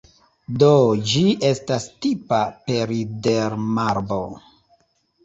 Do ĝi estas tipa peridermarbo.